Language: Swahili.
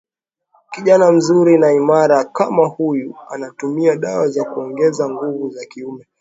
kijana mzuri na imara kama huyu anatumia dawa za kuongeza nguvu za kiume